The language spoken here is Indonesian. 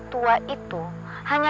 tua itu hanya